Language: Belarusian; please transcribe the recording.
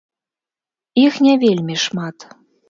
Іх не вельмі шмат.